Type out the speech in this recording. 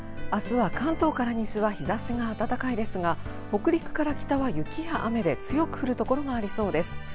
明日は、関東から西は日差しが暖かいですが、北陸から北は雪や雨で強く降るところがありそうです。